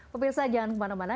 pemirsa jangan kemana mana